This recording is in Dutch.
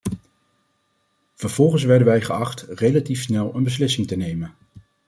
Vervolgens werden wij geacht relatief snel een beslissing te nemen.